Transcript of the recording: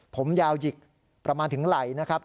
ผมยาวหยิกประมาณถึงไหล่นะครับ